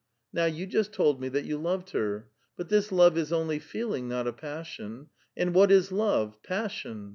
" Now you just told me that you loved her. But this love is only feeling, not a passion. And what is love — passion!